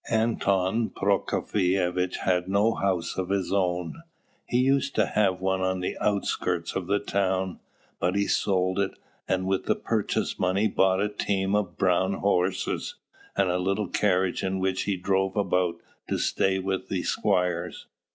Anton Prokofievitch had no house of his own. He used to have one on the outskirts of the town; but he sold it, and with the purchase money bought a team of brown horses and a little carriage in which he drove about to stay with the squires.